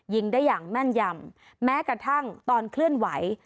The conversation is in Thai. ยิงได้อย่างแม่นยำแม้กระทั่งตอนเคลื่อนไหว